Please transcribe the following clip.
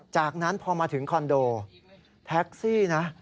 จากนั้นพอมาถึงคอนโดแท็กซี่นะ